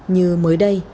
như mới đây